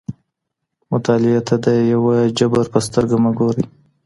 مطالعې ته د یو جبر په سترګه مه ګورئ.